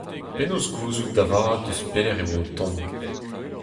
Penaos gouzout da vat eus pelec'h e oa o tont ?